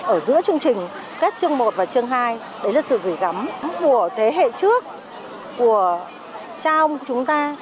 ở giữa chương trình các chương một và chương hai đấy là sự gửi gắm của thế hệ trước của cha ông chúng ta